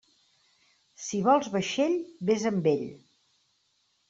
Si vols vaixell, vés amb ell.